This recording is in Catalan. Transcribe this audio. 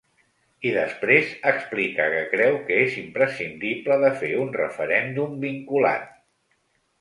I després explica que creu que és imprescindible de fer un referèndum vinculant.